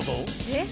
えっ？